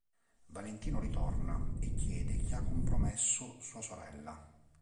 Valentino ritorna e chiede chi ha compromesso sua sorella.